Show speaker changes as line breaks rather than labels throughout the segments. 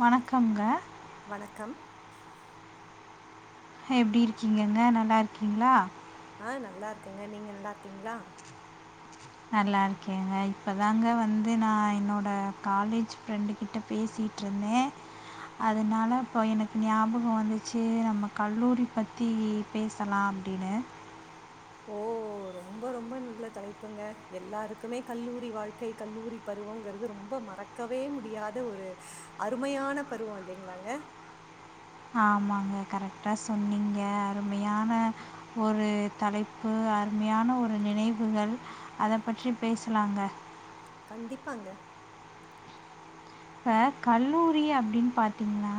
வணக்கங்க
வணக்கம்
எப்படி இருக்கீங்கங்க நல்லா இருக்கீங்களா
ஆஹ நல்லா இருக்கேங்க நீங்க நல்லா இருக்கீங்களா
நல்லா இருக்கேங்க இப்பதாங்க வந்து நான் என்னோட காலேஜ் ஃப்ரெண்டு கிட்ட பேசிட்டு இருந்தேன் அதனால இப்போ எனக்கு ஞாபகம் வந்துச்சு நம்ம கல்லூரி பத்தி பேசலாம் அப்படின்னு
ஓ ரொம்ப ரொம்ப நல்ல தலைப்புங்க எல்லாருக்குமே கல்லூரி வாழ்க்கை கல்லூரி பருவங்கிறது ரொம்ப மறக்கவே முடியாத ஒரு அருமையான பருவம் இல்லைங்களாங்க
ஆமாங்க கரெக்டா சொன்னீங்க அருமையான ஒரு தலைப்பு அருமையான ஒரு நினைவுகள் அதை பற்றி பேசலாங்க
கண்டிப்பாங்க
இப்ப கல்லூரி அப்டின்னு பாத்தீங்னா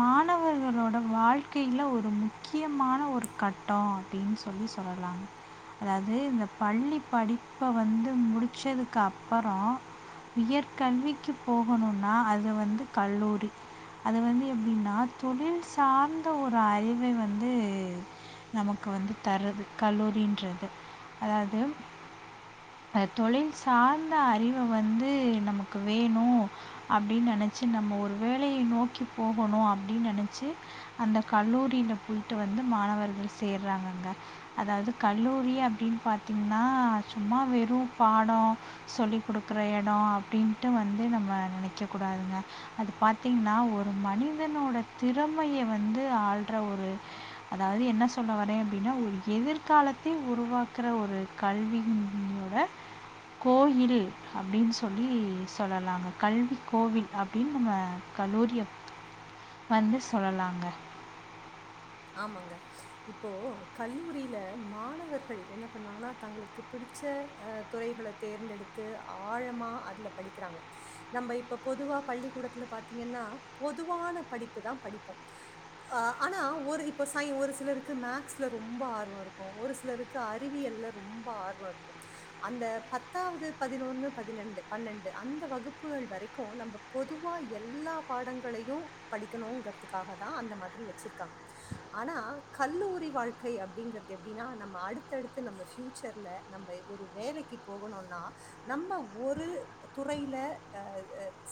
மாணவர்களோட வாழ்க்கையில ஒரு முக்கியமான ஒரு கட்டோ அப்டின்னு சொல்லி சொல்லலாங்க அதாவது இந்த பள்ளி படிப்ப வந்து முடிச்சதுக்கு அப்புறோ உயர்கல்விக்கு போகணுனா அது வந்து கல்லூரி அது வந்து எப்டின்னா தொழில் சார்ந்த ஒரு அறிவை வந்து நமக்கு வந்து தருது கல்லூரின்றது அதாவது தொழில் சார்ந்த அறிவ வந்து நமக்கு வேணு அப்டினு நனைச்சு நம்ம ஒரு வேலைய நோக்கி போகணு அப்டின்னு நனைச்சு அந்த கல்லூரியில போயிட்டு வந்து மாணவர்கள் சேர்றாங்கங்க அதாவது கல்லூரி அப்டினு பாத்தீங்கன்னா சும்மா வெறு பாடோ சொல்லிக் குடுக்கற எடோ அப்டின்ட்டு வந்து நம் ம்ம நனைக்க கூடாதுங்க அது பாத்தீங்கன்னா ஒரு மனிதனோட திறமைய வந்து ஆள்ற ஒரு அதாவது என்ன சொல்ல வரே அப்டின்னா ஒரு எதிர்காலத்தில் உருவாக்குற ஒரு கல்வியோட கோயில் அப்டின்னு சொல்லி சொல்லலாங்க கல்வி கோவில் அப்டின்னு நம்ம கல்லூரியை வந்து சொல்லலாங்க
ஆமாங்க இப்போ கல்லூரியில மாணவர்கள் என்ன பண்ணாங்கன்னா தங்களுக்கு பிடிச்ச அ துறைகள தேர்ந்தெடுத்து ஆழமா அதுல படிக்கிறாங்க நம்ம இப்ப பொதுவா பள்ளிக்கூடத்துல பாத்தீங்கன்னா பொதுவான படிப்புதா படிப்போ ஆ ஆனா ஒரு இப்போ சாய ஒரு சிலருக்கு மேக்ஸ்ல ரொம்ப ஆர்வோ இருக்கு ஒரு சிலருக்கு அறிவியல்ல ரொம்ப ஆர்வோ இருக்கு அந்த பத்தாவது பதினொன்னு பதினெண்டு பன்னெண்டு அந்த வகுப்புகள் வரைக்கு நம்ம பொதுவா எல்லா பாடங்களையு படிக்கணுங்கிறதுக்காகதா அந்த மாதிரி வச்சுருக்காங்க ஆனா கல்லூரி வாழ்க்கை அப்டிங்குரது எப்டின்னா நம்ம அடுத்தடுத்து நம்ம ஃப்யூச்சர்ல நம்ம ஒரு வேலைக்கு போகணும்னா நம்ம ஒரு துறையில அ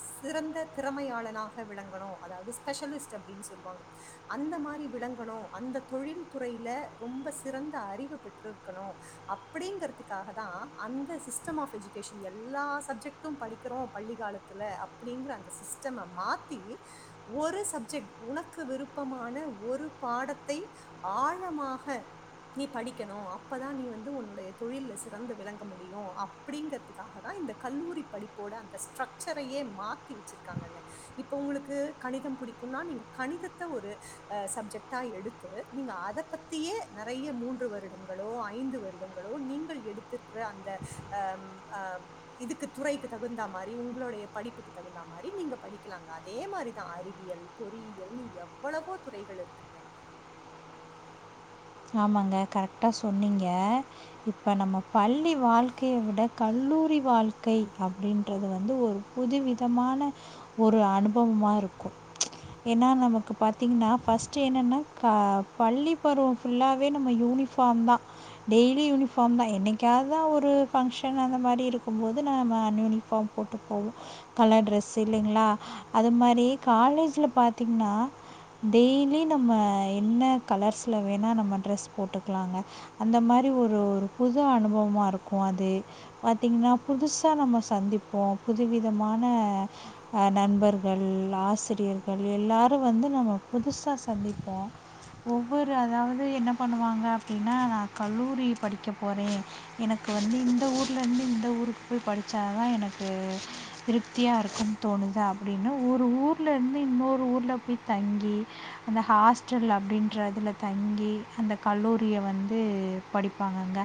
சிறந்த திறமையாளனாக விளங்கணு அதாவது ஸ்பெஷலிஸ்ட் அப்டின்னு சொல்லுவாங்க அந்த மாத்ரி ட்டி விளங்கனு அந்த தொழில் துறையில ரொம்ப சிறந்த அறிவு பெற்றிருக்கணு அப்டிங்குறதுக்காக தா அந்த சிஸ்டம் ஆஃப் எஜுகேஷன் எல்லா ஸப்ஜெக்டு படிக்கனு பள்ளி காலத்துல அப்டிங்கிற அந்த சிஸ்டம மாத்தி ஒரு சப்ஜெக்ட் உனக்கு விருப்பமான ஒரு பாடத்தை ஆழமாக நீ படிக்கணு அப்பதா நீ வந்து உன்னுடைய தொழில்ல சிறந்து விளங்க முடியு அப்படிங்கறுதுக்காக தா இந்த கல்லூரி படிப்போட அந்த ஸ்ட்ரக்சரையே மாத்தி வச்சிருக்காங்கங்க இப்ப உங்களுக்கு கணிதம் பிடிக்கும்னா நீங்க கணிதத்த ஒரு சப்ஜெக்ட்டா எடுத்து நீங்க அத பத்தியே நறையா மூன்று வருடங்களோ ஐந்து வருடங்களோ நீங்கள் எடுத்திருக்கிற அந்த ஆ இதுக்கு துறைக்கு தகுந்த மாரி உங்களுடைய படிப்புக்கு தகுந்தா மாரி நீங்க படிக்கலாங்க அதே மாரிதா அறிவியல் பொறியியல் நீ எவ்வளவோ துறைகள் இருக்குங்க
ஆமாங்க கரெக்டா சொன்னீங்க இப்ப நம்ம பள்ளி வாழ்க்கைய விட கல்லூரி வாழ்க்கை அப்டின்றது வந்து ஒரு புதுவிதமான ஒரு அனுபவமா இருக்கு ஏன்னா நமக்கு பாத்தீங்கன்னா ஃபஸ்ட் என்னன்னா பள்ளி பருவம் ஃபுல்லாவே நம்ம யூனிஃபார்ம் தா டெய்லி யூனிஃபாம் தா என்னைக்காத் தா ஒரு ஃபங்க்ஷன் அந்த மாரி இருக்கும்போது நம்ம அன் யூனிஃபார்ம் போட்டு போவோ கலர் ட்ரெஸ்ஸு இல்லைங்களா அது மாதிரி காலேஜில பாத்தீங்கன்னா டெய்லி நம்ம என்ன கலர்ஸ்ல வேணா நம்ம ட்ரெஸ் போட்டுக்கலாங்க அந்த மாரி ஒரு ஒரு புது அனுபவமா இருக்கு அது பாத்தீங்கன்னா புதுசா நம்ம சந்திப்போ புதுவிதமான நண்பர்கள் ஆசிரியர்கள் எல்லாரு வந்து நம்ம புதுசா சந்திப்போ ஒவ்வொரு அதாவது என்ன பண்ணுவாங்க அப்டின்னா நா கல்லூரி படிக்க போறே எனக்கு வந்து இந்த ஊர்லேந்து இந்த ஊருக்கு போய் படிச்சா தா எனக்கு திருப்தியாஇருக்குனு தோணுது அப்படின்னா ஒரு ஊர்லந்து இன்னொரு ஊர்ல போய் தங்கி அந்த ஹாஸ்டல் அப்படின்றதுல தங்கி அந்த கல்லூரிய வந்து படிப்பாங்கங்க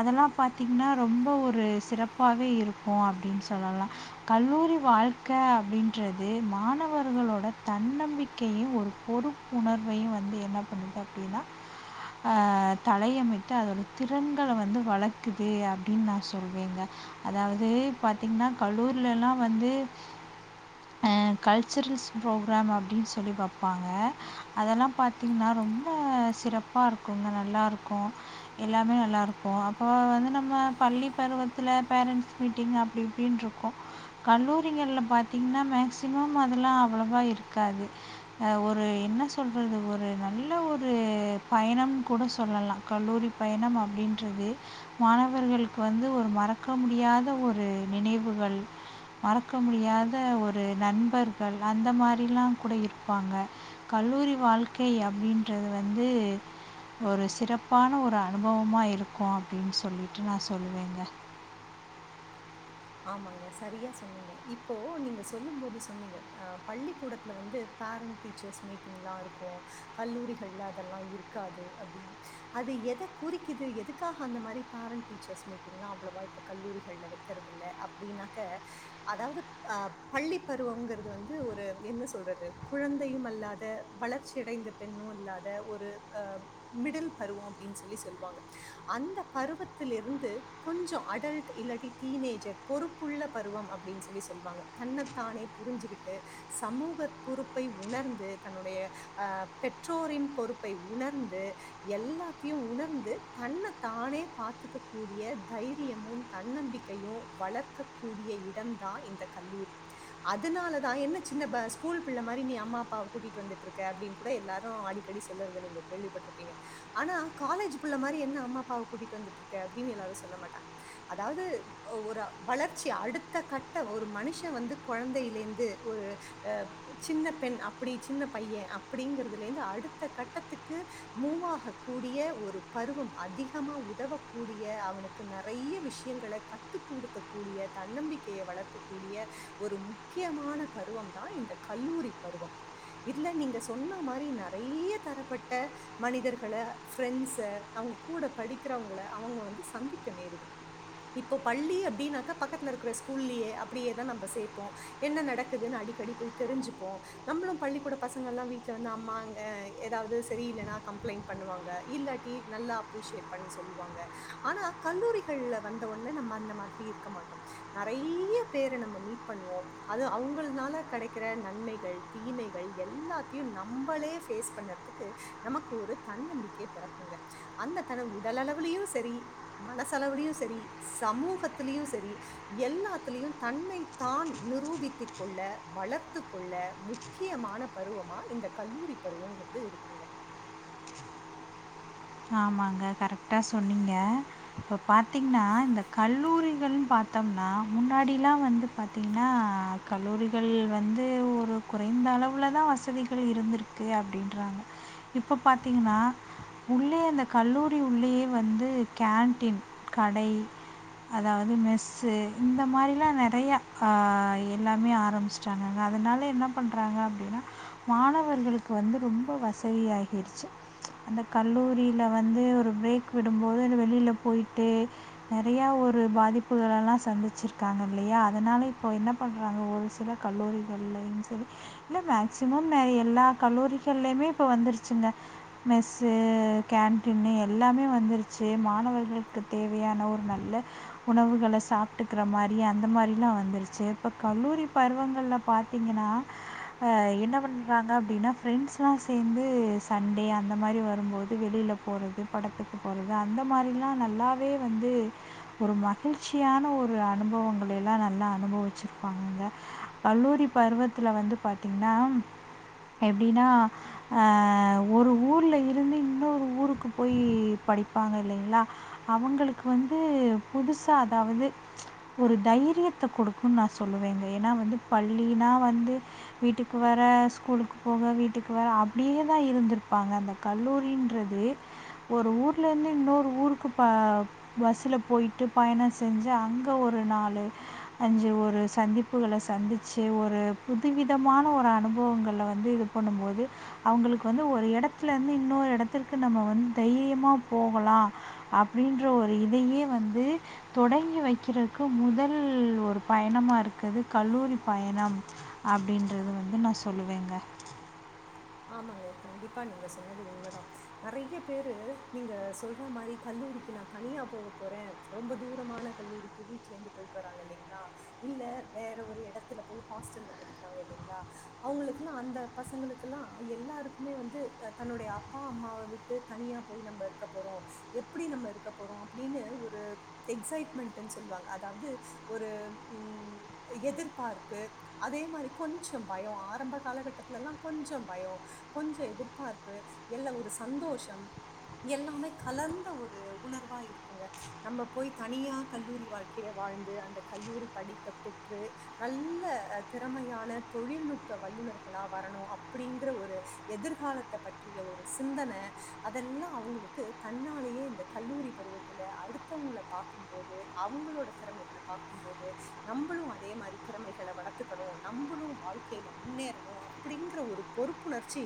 அதெல்லா பாத்திங்கன்னா ரொம்ப ஒரு சிறப்பாவே இருக்கு அப்படின்னு சொல்லலா கல்லூரி வாழ்க்க அப்படின்றது மாணவர்களோட தன்னம்பிக்கையு ஒரு பொறுப்புணர்வையு வந்து என்ன பண்ணுது அப்படின்னா அ தலையமட்டு அதோட திறன்கள வந்து வளர்க்குது அப்டின்னு நா சொல்வேங்க அதாவது பாத்தீங்கன்னா கல்லூரிலலா வந்து அ கல்ச்சரல்ஸ் ப்ரோக்ராம் அப்படின்னு சொல்லி பாப்பாங்க அதெல்லா பாத்தீங்கன்னா ரொம் அ சிறப்பா இருக்குங்க நல்லா இருக்கு எல்லாமே நல்லா இருக்கு அப்போ வந்து நம்ம பள்ளி பருவத்துல பேரண்ஸ் மீட்டிங் அப்டி இப்டின்னு இருக்கு கல்லூரிகள்ல பாத்தீங்கன்னா மேக்சிமம் அதெல்லா அவ்ளவா இருக்காது ஒரு என்ன சொல்றது ஒரு நல்ல நல்ல ஒரு பயணம்னு கூட சொல்லலா கல்லூரி பயணம் அப்டின்றது மாணவர்களுக்கு வந்து ஒரு மறக்க முடியாத ஒரு நினைவுகள் மறக்க முடியாத ஒரு நண்பர்கள் அந்த மாரிலா கூட இருப்பாங்க கல்லூரி வாழ்க்கை அப்படின்றது வந்து ஒரு சிறப்பான ஒரு அனுபவமா இருக்கு அப்படின்னு சொல்லிட்டு நா சொல்லுவேங்க
ஆமாங்க சரியா சொன்னீங்க இப்போ நீங்க சொல்லும் போது சொன்னீங்க அ பள்ளிக்கூடத்துல வந்து பேரண்ட் டீச்சர்ஸ் மீட்டிங்லா இருக்கு கல்லூரிகள்ல அதெல்லாம் இருக்காது அப்படின்னு அது எதை குறிக்குது எதுக்காக அந்த மாதிரி பேரண்ட் டீச்சர்ஸ் மீட்டிங் எல்லாம் அவ்வளவா இப்ப கல்லூரிகள்ல வைக்கிறது இல்ல அப்டினாக்க அதாவது அ பள்ளி பருவங்கிறது வந்து ஒரு என்ன சொல்றது குழந்தையு அல்லாத வளர்ச்சி அடைந்த பெண்ணு இல்லாத ஒரு ஆ மிடில் பருவ அப்டின்னு சொல்லி சொல்லுவாங்க அந்த பருவத்தில இருந்து கொஞ்ச அடல்ட் இல்லாடி டீனேஜர் பொறுப்புள்ள பருவம் அப்படின்னு சொல்லி சொல்லுவாங்க தன்னைத்தானே புரிஞ்சுகிட்டு சமூக பொறுப்பை உணர்ந்து தன்னுடைய அ பெற்றோரின் பொறுப்பை உணர்ந்து எல்லாத்தையும் உணர்ந்து தன்னைத்தானே பார்த்துக்க கூடிய தைரியமும் தன்னம்பிக் டயு வளர்க்கக்கூடிய எடம் தா இந்த கல்லூரி அதனாலதா என்ன சின்ன ஸ்கூல் பிள்ள மாரி நீ அம்மா அப்பாவ கூட்டிட்டு வந்துட்ருக்க அப்படின்னு கூட எல்லாரு அடிக்கடி சொல்றத நீங்க கேள்விப்பட்டிருப்பீங்க ஆனா காலேஜ் பிள்ள மாரி என்ன அம்மா அப்பாவ கூட்டிட்டு வந்துட்டு இருக்க அப்டின்னு எல்லாரு சொல்ல மாட்டாங்க அதாவது ஒரு வளர்ச்சி அடுத்த கட்ட ஒரு மனுஷன் வந்து குழந்தையிலேந்து ஒரு அ சின்ன பெண் அப்படி சின்ன பையன் அப்படிங்கறிறதுலேந்து அடுத்த கட்டத்துக்கு மூவாக கூடிய ஒரு பருவம் அதிகமா உதவக்கூடிய அவனுக்கு நறைய விஷயங்கள கத் கத்துகுடுக்கூடிய தன்னம்பிக்கய வளர்க்க கூடிய ஒரு முக்கியமான பருவம் தா இந்த கல்லூரி பருவம் இதுல நீங்க சொன்ன மாரி நறைய தரப்பட்ட மனிதர்கள ஃப்ரெண்ஸ அவங்க கூட படிக்கிறவங்கள அவங்க வந்து சந்திக்க நேரிடும் இப் இப்ப பள்ளி அப்படின்னாக்கா பக்கத்துல இருக்கிற ஸ்கூல்லே அப்படியே தா நம்ம சேப்போ என்ன நடக்குதுன்னு அடிக்கடி போய் தெரிஞ்சுப்போ நம்மளு பள்ளிக்கூட பசங்கலா வீட்டுல வந்து அம்மாங்க ஏதாவது சரியில்லனா கம்ளைண்ட் பண்ணுவாங்க இல்லாட்டி நல்லா அப்ரிஷியேட் பண்ணி சொல்லுவாங்க ஆனா கல்லூரிகள்ல வந்தவொ ல்ல அந்த மாதிரி இருக்க மாட்டோ நறைய பேர நம்ம மீட் பண்ணுவோ அது அவங்கனால கடைக்கிற நன்மைகள் தீமைகள் எல்லாத்தையு நம்மளே ஃபேஸ் பண்றதுக்கு நமக்கு ஒரு தன்னம்பிக்கை பிறக்குங்க அந்த தன உடலலளவுலயு சரி மனசலவுலயு சரி சமூகத்திலயு சரி எல்லாத்திலயு தன்னைத்தான் நிரூபித்து கொள்ள வளர்த்து கொள்ள முக்கியமான பருவமா இந்த கல்லூரி பருவங்கிறது இருக்குங்க
ஆமாங்க கரெக்டா சொன்னீங்க இப்ப பாத்தீங்கன்னா இந்த கல்லூரிகள் பாத்தோம்னா முன்னாடிலா வந்து பாத்தீங்கன்னா கல்லூரிகள் வந்து ஒரு குறைந்த அளவுலதா வசதிகள் இருந்திருக்கு அப்படின்றாங்க இப்ப பாத்தீங்கன்னா உள்ளே அந்த கல்லூரி உள்ளேயே வந்து கேன்டின் கடை அதாவது மெஸ்ஸு இந்த மாரிலா நறையா ஆ எல்லாமே ஆரம்பிச்சிட்டாங்கங்க அதனால என்ன பண்றாங்க அப்படின்னா மாணவர்களுக்கு வந்து ரொம்ப வசதியாகிருச்சு அந்த கல்லூரில வந்து ஒரு பிரேக் விடும்போது வெளில போயிட்டு நறையா ஒரு பாதிப்புகளெல்லா சந்திச்சிருக்காங்க இல்லையா அதனால இப்போ என்ன பண்ணுறாங்க ஒரு சில கல்லூரிகள்லன்னு சொல்லி இல்ல மேக்ஸிமம் ந எல்லா கல்லூரிகள்லயுமே இப்போ வந்துருச்சுங்க மெஸ் உ கேன்டீனு எல்லாமே வந்துருச்சு மாணவர்களுக்கு தேவையான ஒரு நல்ல உணவுகள சாப்ட்டுக்கிற மாரி அந்த மாரிலா வந்துருச்சு இப்போ கல்லூரி பருவங்கள்ல பாதீங்கன்னா என்ன பண்ணுறாங்க அப்டினா ஃப்ரெண்ஸ்லா சேந்து சண்டே அந்த மாரி வரு ங்கும்பொது வெளில போறது படத்துக்கு போறது அந்த மாரிலா நல்லாவே வந்து ஒரு மகிழ்ச்சியான ஒரு அனுபவங்கலல்லா நல்லா அனுபவிச்சிருப்பாங்கங்க கல்லூரி பருவத்துல வந்து பாத்தீங்கன்னா எப்டின்னா ஆ ஒரு ஊர்லயே இங்கிருந்து இன்னொரு ஊருக்கு போய் படிப்பாங்க இல்லைங்களா அவங்களுக்கு வந்து புதுசா அதாவது ஒரு தைரியத்த குடுக்குன்னு நா சொல்லுவேங்க ஏன்னா வந்து பள்ளினா வந்து வீட்டுக்கு வர ஸ்கூலுக்கு போக வீட்டுக்கு வர அப்படியே தா இருந்திருப்பாங்க அந்த கல்லூரின்றது ஒரு ஊர்லேருந்து இன்னொரு ஊருக்கு ப பஸ்ல போய்ட்டு பயணம் செஞ்சு அங்கே ஒரு நாலு அஞ்சு ஒரு சந்திப்புகள சந்திச்சு ஒரு புதுவிதமான ஒரு அனுபவங்கள வந்து இது பண்ணும்போது அவங்களுக்கு வந்து ஒரு எடத் ஒரு எடத்துல இருந்து இன்னொரு இடத்துக்கு நம்ம வந்து தைரியமா போகலா அப்படின்ற ஒரு இதையே வந்து தொடங்கி வைக்கிறதுக்கு முதல் ஒரு பயணமா இருக்குது கல்லூரி பயணம் அப்படின்றது வந்து நா சொல்லுவேங்க
ஆமாங்க கண்டிப்பா நீங்க சொன்னது உண்மதா நறையா பேரு நீங்க சொல்ற மாரி கல்லூரிக்கு நா தனியா போக போறே ரொம்ப தூரமான கல்லூரிக்கு வீட்ல இருந்து போயிட்டு வராங்க இல்லலைங்களா இல்ல வேற ஒரு எடத்துல போய் ஹாஸ்டல்ல படிக்கிறாங்க இல்லலைங்களா அவங்களுக்குலா அந்த பசங்களுக்கு பலா எல்லாருக்குமே வந்து தன்னுடைய அப்பா அம்மாவ விட்டு தனியா போய் நம்ம இருக்க போறோ எப்டி நம்ம இருக்க போறோ அப்டின்னு ஒரு எக்சைட்மெண்ட்னு சொல்லுவாங்க அதாவது ஒரு உ எதிர்பார்ப்பு அதே மாரி கொஞ்ச பயோ ஆரம்ப காலகட்டத்துலலா கொஞ்ச பயமோகொஞ்ச எதிர்பார்ப்பு எல்ல ஒரு சந்தோஷம் எல்லாமே கலந்த ஒரு உணர்வா இருக்குங்க நம்ம போய் தனியா கல்லூரி வாழ்க்கைய வாழ்ந்து அந்த கல்லூரி படிப்ப பெற்று நல்ல திறமையான தொழில்நுட்ப வல்லுநர்களா வரணு அப்டிங்கிற ஒரு எதிர்காலத்த பற்றிய ஒரு சிந்தன அதெல்லா அவங்களுக்கு தன்னாலேயே இந்த கல்லூரி பருவத்துல அடுத்தவங்கள பாக்கும்போது அவங்களோட திறமைகள பாக்கும்போது நம்மளும் அதே மாதிரி திறமைகளை வளர்த்துக்கணும் நம்மளும் வாழ்க்கையில முன்னேறணும் அப்படிங்க ன்ர ஒரு பொறுப்புணர்ச்சி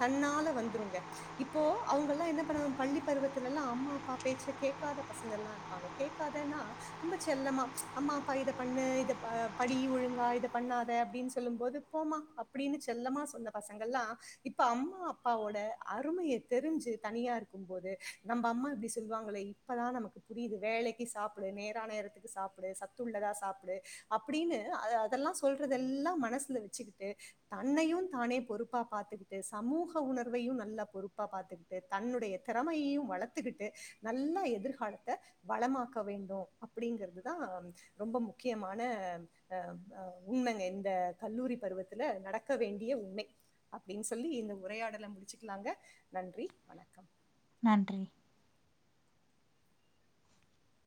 தன்னால வந்துருங்க இப்போ அவங்க எல்லா என்ன பண்ணா பள்ளி பருவத்துலலா அம்மா அப்பா பேச்ச கேகாத பசங்கள்லா இருப்பாங்க கேகாதன்னா ரொம்ப செல்லமா அம்மா அப்பா இத பண்ணு இத படி ஒழுங்கா இத பண்ணாத அப்படின்னு சொல்லும்போது போமா அப்படின்னு செல்லமா அந்த பசங்கள்லா இப்ப அம்மா அப்பாவோட அருமைய தெரிஞ்சு தனியா இருக்கும் போது நம்ம அம்மா இப்படி சொல்லுவாங்களே இப்பதா நமக்கு புரியுது வேலைக்கு சாப்பிடு நேரா நேரத்துக்கு சாப்பிடு சத்துள்ளதா சாப்பிடு அப்படின்னு அதெல்லா சொல்றதெல்லா மனசுல வச்சுக்கிட்டு தன்னையு தானே பொறுப்பா பாத்துக்கிட்டு சமூக உணர்வையு நல்லா பொறுப்பா பாத்துக்கிட்டு தன்னுடைய திறமையையு வளத்துக்கிட்டு நல்லா எதிர்காலத்த வளமாக்க வேண்டு அப்டிங்கரதுதா ரொம்ப முக்கியமான ஆ ஆ உண்மைங்க இந்த கல்லூரி பருவத்துல நடக்க வேண்டிய அப்டின்னு சொல்லி இந்த உரையாடல முடிச்சுக்கலாங்க நன்றி வணக்கம்
நன்றி